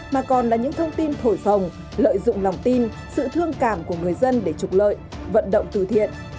mà còn là những thông tin thổi phồng lợi dụng lòng tin sự thương cảm của người dân để trục lợi vận động từ thiện